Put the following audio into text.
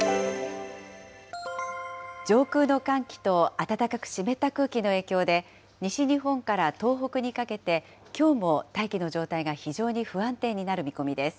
上空の寒気と暖かく湿った空気の影響で、西日本から東北にかけて、きょうも大気の状態が非常に不安定になる見込みです。